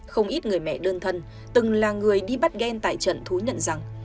không ít người mẹ đơn thân từng là người đi bắt ghen tại trận thú nhận rằng